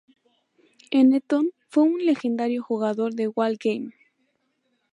En Eton, fue un legendario jugador de Wall Game.